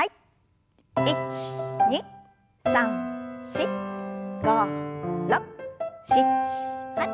１２３４５６７８。